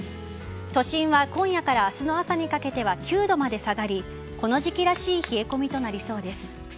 都心は今夜から明日の朝にかけては９度まで下がりこの時期らしい冷え込みとなりそうです。